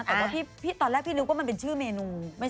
แต่ว่าตอนแรกพี่นึกว่ามันเป็นชื่อเมนู